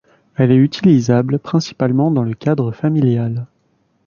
Elle est utilisable principalement dans le cadre familial.